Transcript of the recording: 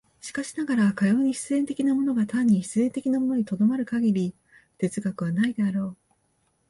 しかしながら、かように必然的なものが単に必然的なものに止まる限り哲学はないであろう。